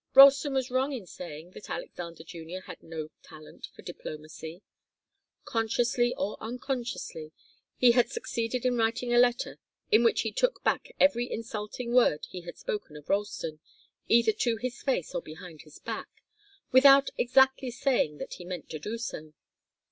Ralston was wrong in saying that Alexander Junior had no talent for diplomacy. Consciously or unconsciously, he had succeeded in writing a letter in which he took back every insulting word he had spoken of Ralston, either to his face or behind his back, without exactly saying that he meant to do so.